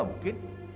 gak mungkin deh pak